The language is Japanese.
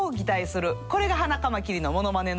これがハナカマキリのモノマネの極意よ。